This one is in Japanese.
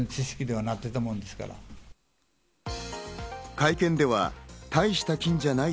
会見ではたいした菌じゃない